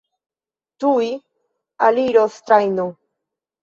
Tuj aliros trajno.